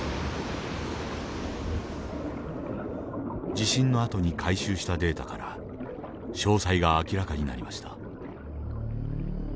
地震のあとに回収したデータから詳細が明らかになりました。